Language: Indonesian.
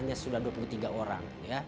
hanya sudah dua puluh tiga orang